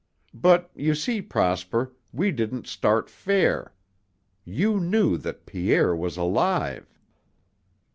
But, you see, Prosper, we didn't start fair. You knew that Pierre was alive."